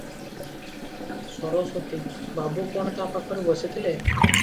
ସରସ୍ୱତୀ - ବାବୁ କଣ ତା ପାଖରେ ବସିଥିଲେ?